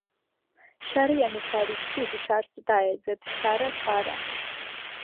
შარიანი შარისათვის შარს დაეძებს შარა-შარა.